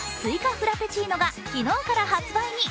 フラペチーノが昨日から発売に。